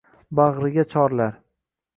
Bag‘riga chorlar